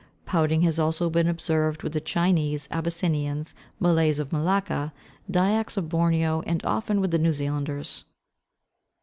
Pouting has also been observed with the Chinese, Abyssinians, Malays of Malacca, Dyaks of Borneo, and often with the New Zealanders.